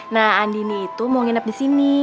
nah andini itu mau nginep di sini